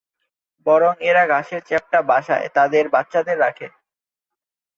বরং এরা ঘাসের চ্যাপ্টা বাসায় তাদের বাচ্চাদের রাখে।